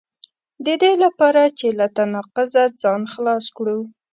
د دې لپاره چې له تناقضه ځان خلاص کړو.